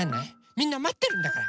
みんなまってるんだから！